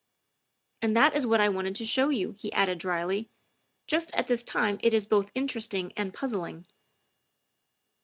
' "And that is what I wanted to show you," he added dryly; " just at this time it is both interesting and puzzling.